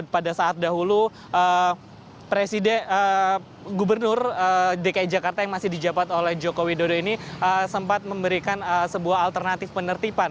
pada saat dahulu presiden gubernur dki jakarta yang masih dijabat oleh joko widodo ini sempat memberikan sebuah alternatif penertiban